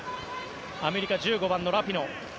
アメリカ、１５番のラピノ。